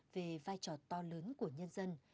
về vai trò to lớn của nhân dân